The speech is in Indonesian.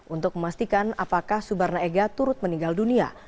untuk memastikan apakah subarna ega turut meninggal dunia